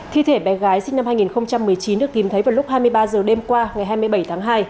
thi thể bé gái sinh năm hai nghìn một mươi chín được tìm thấy vào lúc hai mươi ba h đêm qua ngày hai mươi bảy tháng hai